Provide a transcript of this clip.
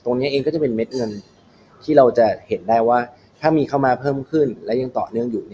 ตรงนี้เองก็จะเป็นเม็ดเงินที่เราจะเห็นได้ว่าถ้ามีเข้ามาเพิ่มขึ้นและยังต่อเนื่องอยู่